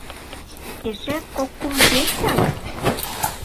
— Эше кок-кум кечым?!